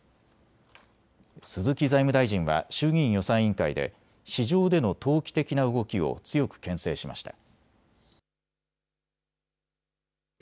鈴木財務大臣は衆議院予算委員会で市場での投機的な動きを強くけん制しました。